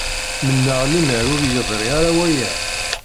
Mennaɣ lemmer ur yeḍri ara waya.